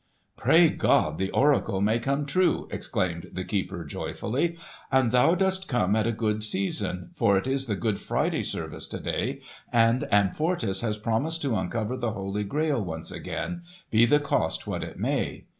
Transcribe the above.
"Pray God the oracle may come true!" exclaimed the keeper joyfully. "And thou dost come at a good season, for it is the Good Friday service to day, and Amfortas has promised to uncover the Holy Grail once again, be the cost what it may.